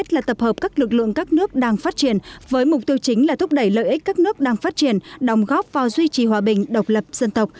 tất cả các nước đang phát triển đồng góp vào duy trì hòa bình độc lập dân tộc